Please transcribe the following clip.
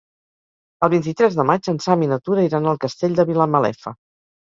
El vint-i-tres de maig en Sam i na Tura iran al Castell de Vilamalefa.